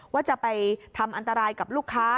ว่าจะไปทำอันตรายกับลูกค้า